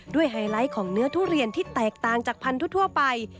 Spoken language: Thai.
ไฮไลท์ของเนื้อทุเรียนที่แตกต่างจากพันธุ์ทั่วไป